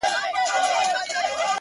o موږ ته تر سهاره چپه خوله ناست وي،